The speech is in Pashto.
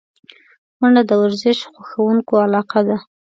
منډه د ورزش خوښونکو علاقه ده